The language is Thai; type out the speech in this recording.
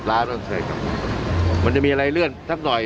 ๑๕๐๑๗๐ล้านมันจะมีอะไรเลื่อนทั้งหน่อย